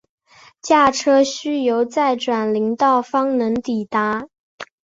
驾车需由再转林道方能抵达。